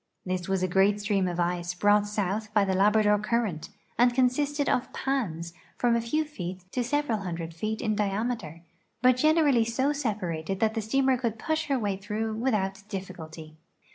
This was a great stream of ice brought south by the Labrador current, and consisted of " pans " from a few feet to several hundred feet in diameter, but generally so separated that the steamer could push her way through without difficulty.